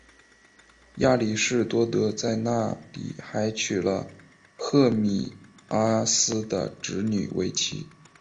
亚里士多德在那里还娶了赫米阿斯的侄女为妻。